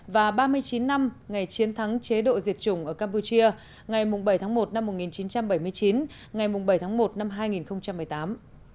và ba mươi chín năm ngày chiến thắng chế độ diệt chủng ở campuchia ngày bảy tháng một năm một nghìn chín trăm bảy mươi chín ngày bảy tháng một năm hai nghìn một mươi tám